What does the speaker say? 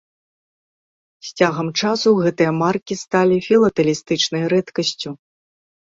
З цягам часу гэтыя маркі сталі філатэлістычнай рэдкасцю.